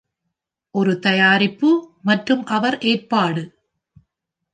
ஒரு தயாரிப்பு மற்றும் அவர் ஏற்பாடு.